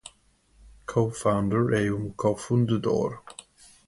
Cofounder é um co-fundador.